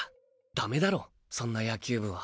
ダメだろそんな野球部は。